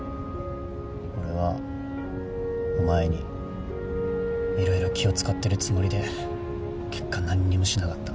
俺はお前に色々気を使ってるつもりで結果何にもしなかった。